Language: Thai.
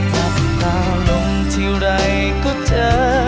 แต่เมื่อลงที่ไหลก็เจอ